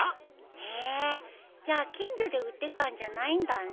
へえじゃあ近所で売ってたんじゃないんだね。